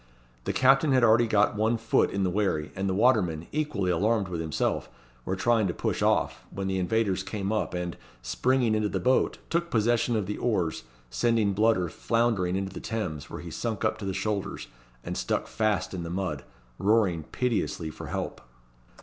The captain had already got one foot in the wherry, and the watermen, equally alarmed with himself, were trying to push off, when the invaders came up, and, springing into the boat, took possession of the oars, sending Bludder floundering into the Thames, where he sunk up to the shoulders, and stuck fast in the mud, roaring piteously for help.